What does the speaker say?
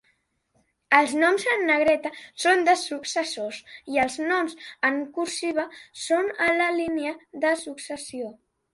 Els noms en negreta són de successors, i els noms en cursiva són a la línia de successió.